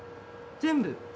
全部。